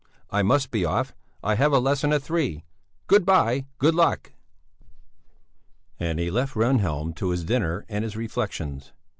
I must be off, I have a lesson at three! Good bye, good luck!" And he left Rehnhjelm to his dinner and his reflections.